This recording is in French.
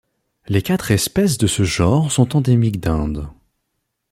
Les quatre espèces de ce genre sont endémiques d'Inde.